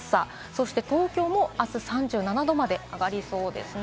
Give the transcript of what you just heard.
そして東京もあす３７度まで上がりそうです。